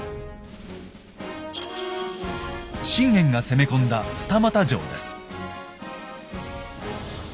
信玄が攻め込んだ二俣城です。